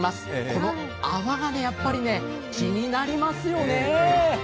この泡がやっぱり気になりますよね。